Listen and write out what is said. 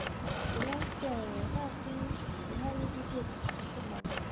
湖南省文化厅是中华人民共和国湖南省人民政府管理湖南省文化艺术事业的组成部门。